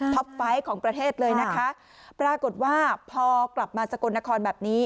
ไฟล์ของประเทศเลยนะคะปรากฏว่าพอกลับมาสกลนครแบบนี้